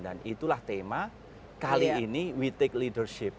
dan itulah tema kali ini we take leadership